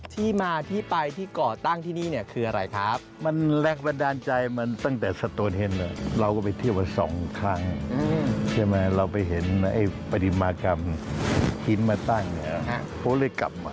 ที่มาที่ไปที่ก่อตั้งที่นี่เนี่ยคืออะไรครับ